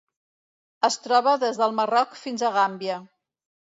Es troba des del Marroc fins a Gàmbia.